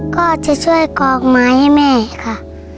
ก็จะช่วยกรอกไม้ให้แม่ค่ะ